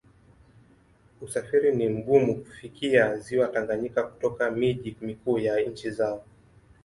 Usafiri ni mgumu kufikia Ziwa Tanganyika kutoka miji mikuu ya nchi zao.